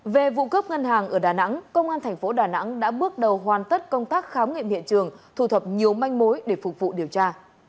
về vụ cướp ngân hàng ở đà nẵng công an thành phố đà nẵng đã bước đầu hoàn tất công tác khám nghiệm hiện trường thu thập nhiều manh mối để phục vụ điều tra